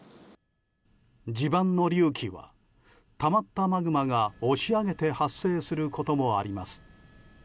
地盤の隆起はたまったマグマが押し上げて発生することもあります。